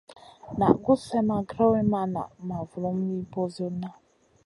Naʼ gus slèʼ ma grewn ma naʼ ma vulum mi ɓosionna.